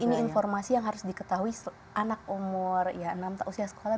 ini informasi yang harus diketahui anak umur usia sekolah